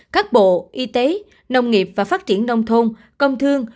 các bộ y tế nông nghiệp và phát triển nông thôn công thương